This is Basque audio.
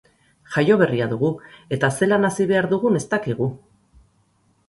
Jaioberria dugu eta zelan hazi behar dugun ez dakigu.